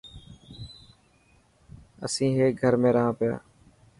اسين هڪي گھر ۾ رهنا پيا.